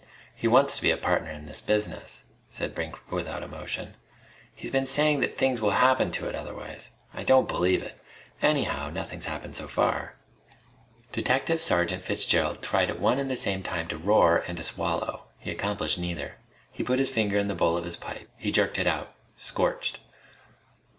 "He wants to be a partner in this business," said Brink without emotion. "He's been saying that things will happen to it otherwise. I don't believe it. Anyhow nothing's happened so far." Detective Sergeant Fitzgerald tried at one and the same time to roar and to swallow. He accomplished neither. He put his finger in the bowl of his pipe. He jerked it out, scorched.